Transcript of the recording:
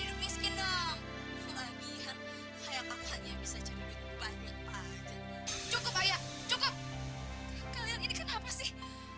hidup miskin dong kelahian kayaknya bisa jadi banyak cukup ayah cukup kalian ini kenapa sih